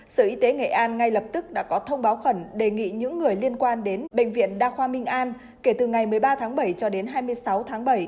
sở y tế nghệ an ngay lập tức đã có thông báo khẩn đề nghị những người liên quan đến bệnh viện đa khoa minh an kể từ ngày một mươi ba tháng bảy cho đến hai mươi sáu tháng bảy